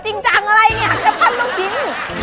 จริงจังอะไรเนี่ยจะปั้นลูกชิ้น